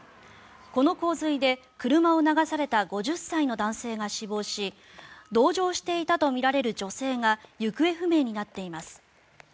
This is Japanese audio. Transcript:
この洪水で車を流された５０歳の男性が死亡し同乗していたとみられる女性が行方不明になっています。